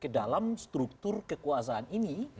dalam struktur kekuasaan ini